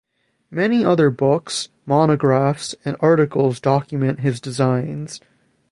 Many other books, monographs, and articles document his designs.